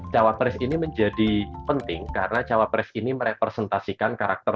cawa pres ini menjadi penting karena cawa pres ini merepresentasikan karakter